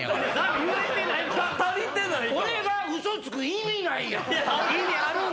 俺がウソつく意味ないやん！